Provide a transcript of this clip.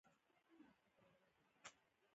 یو تورن له بل تورن څخه د ډوډۍ پټولو په تور محکوم شو.